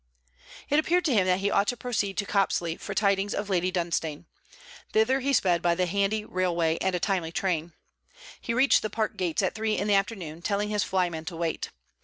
It appeared to him that he ought to proceed to Copsley for tidings of Lady Dunstane. Thither he sped by the handy railway and a timely train. He reached the parkgates at three in the afternoon, telling his flyman to wait.